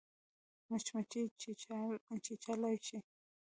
مچمچۍ چیچلای شي